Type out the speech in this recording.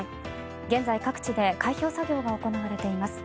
現在、各地で開票作業が行われています。